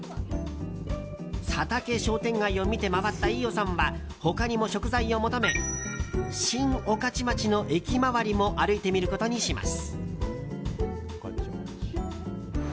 佐竹商店街を見て回った飯尾さんは他にも食材を求め新御徒町の駅周りも歩いてみることにします。